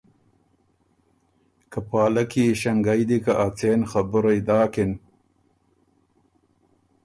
که پالکی ایݭنګئ دی که ا څېن خبُرئ داکِن